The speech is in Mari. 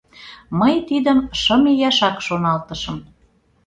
Мый тидым шым ияшак шоналтышым.